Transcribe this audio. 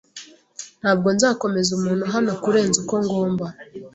Ntabwo nzakomeza umuntu hano kurenza uko ngomba.